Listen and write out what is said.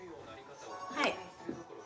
はい